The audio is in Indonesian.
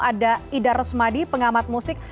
ada ida resmadi pengamat musik